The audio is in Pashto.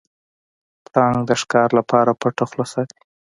پړانګ د ښکار لپاره پټه خوله ساتي.